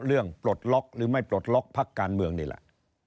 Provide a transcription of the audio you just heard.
ปลดล็อกหรือไม่ปลดล็อกพักการเมืองนี่แหละ